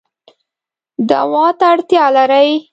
دوا ته اړتیا لرئ